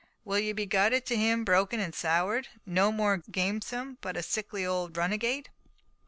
Will ye be guided to him, broken and soured—no more gamesome, but a sickly old runagate?"